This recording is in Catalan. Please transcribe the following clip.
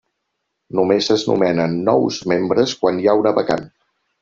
Només es nomenen nous membres quan hi ha una vacant.